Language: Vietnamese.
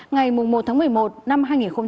ngày một tháng một mươi một năm hai nghìn một mươi hai